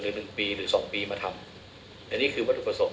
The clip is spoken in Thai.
หนึ่งปีหรือ๒ปีมาทำอันนี้คือปฏิบัติสม